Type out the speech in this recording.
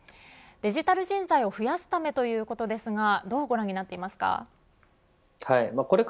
デジタル人材を増やすためということですがどうご覧になっていますか。